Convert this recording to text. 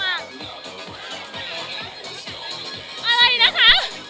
อะไรนะคะ